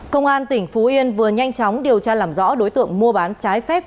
công an tỉnh phú yên vừa nhanh chóng điều tra làm rõ đối tượng mua bán trái phép